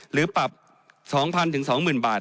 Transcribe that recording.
หรือปรับ๒๐๐๒๐๐บาท